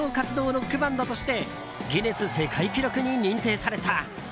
ロックバンドとしてギネス世界記録に認定された。